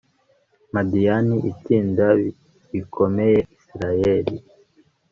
madiyani itsinda bikomeye israheli